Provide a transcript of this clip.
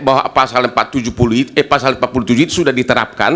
bahwa pasal empat puluh tujuh itu sudah diterapkan